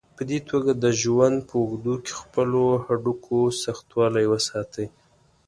په دې توګه د ژوند په اوږدو کې خپلو هډوکو سختوالی وساتئ.